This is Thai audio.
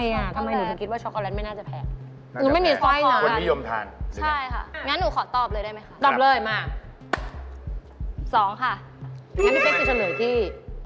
อย่างนั้นพี่เป๊กจะเฉลยที่